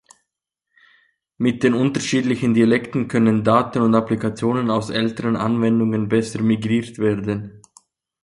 Mit den unterschiedlichen Dialekten können Daten und Applikationen aus älteren Anwendungen besser migriert werden.